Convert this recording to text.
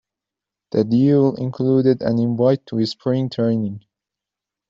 The deal included an invite to spring training.